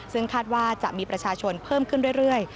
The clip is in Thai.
ซึ่งคาดว่าจะมีประชาชนเพิ่มขึ้นเรื่อย